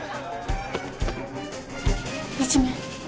いじめ。